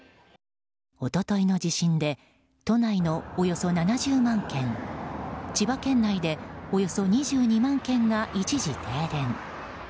一昨日の地震で都内のおよそ７０万軒千葉県内でおよそ２２万軒が一時停電。